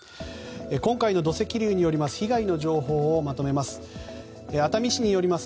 今回の土石流による被害の状況をまとめます。